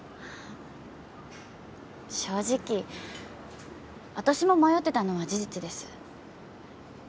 正直私も迷ってたのは事実です。